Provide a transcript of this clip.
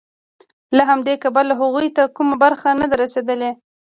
له همدې کبله هغوی ته کومه برخه نه ده رسېدلې